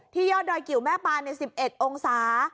ที่ยอดดอยเกี่ยวแม่ปาน๑๑องศา